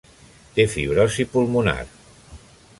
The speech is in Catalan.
Té fibrosi pulmonar.